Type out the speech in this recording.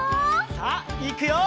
さあいくよ！